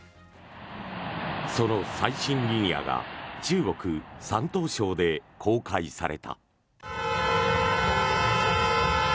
その最新リニアが中国・山東省で公開された。